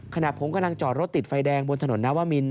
ขณะผมกำลังจอดรถติดไฟแดงบนถนนนาวมิน